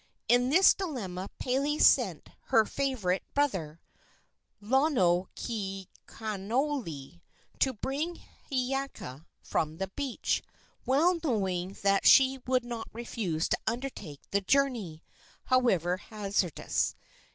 In this dilemma Pele sent her favorite brother, Lonoikaonolii, to bring Hiiaka from the beach, well knowing that she would not refuse to undertake the journey, however hazardous.